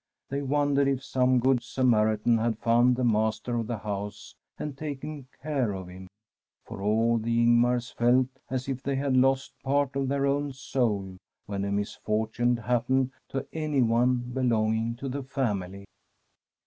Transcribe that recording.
They wondered if some good Samaritan had found the master of the house and taken care of him, for all the Ingmars felt as if they had lost part of their own soul when a misfortune happened to anyone belonging to the family.